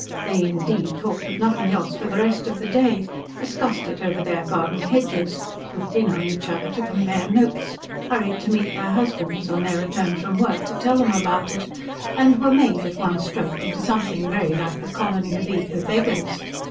They, indeed, talked of nothing else for the rest of the day, discussed it over their garden hedges, looked in on each other to compare notes, hurried to meet their husbands on their return from work to tell them about it, and were made at one stroke into something very like a colony of eager beggars.